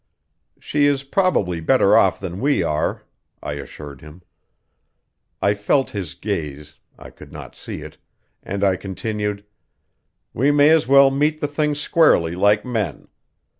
"She is probably better off than we are," I assured him. I felt his gaze I could not see it and I continued: "We may as well meet the thing squarely like men.